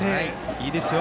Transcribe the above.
いいですよ。